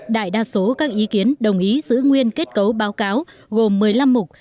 đại đa số các ý kiến đồng ý giữ nguyên kết cấu báo cáo gồm một mươi năm mục